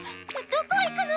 どこ行くの？